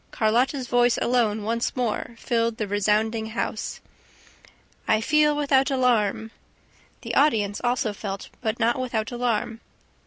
Carlotta's voice alone once more filled the resounding house: "I feel without alarm ..." The audience also felt, but not without alarm.